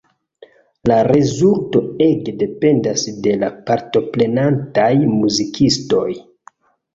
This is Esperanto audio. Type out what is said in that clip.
La rezulto ege dependas de la partoprenantaj muzikistoj.